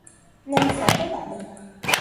não me falta nada.